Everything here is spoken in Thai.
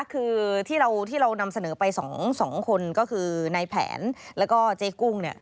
คือที่เรานำเสนอไป๒คนก็คือนายแผนแล้วก็เจ๊กุ้ง